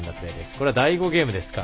これは第５ゲームですね。